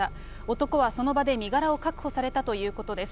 男はその場で身柄を確保されたということです。